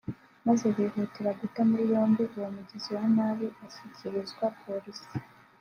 maze bihutira guta muri yombi uwo mugizi wa nabi ashyikirizwa Polisi